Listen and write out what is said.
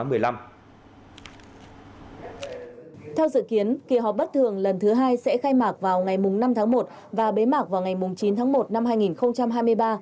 theo dự kiến kỳ họp bất thường lần thứ hai sẽ khai mạc vào ngày năm tháng một và bế mạc vào ngày chín tháng một năm hai nghìn hai mươi ba